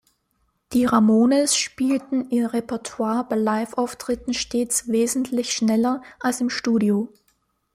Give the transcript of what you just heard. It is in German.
Die Ramones spielten ihr Repertoire bei Live-Auftritten stets wesentlich schneller als im Studio.